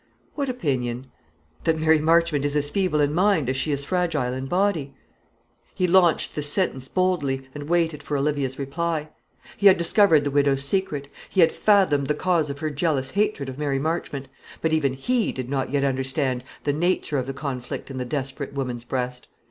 "What opinion?" "That Mary Marchmont is as feeble in mind as she is fragile in body." He launched this sentence boldly, and waited for Olivia's reply. He had discovered the widow's secret. He had fathomed the cause of her jealous hatred of Mary Marchmont; but even he did not yet understand the nature of the conflict in the desperate woman's breast.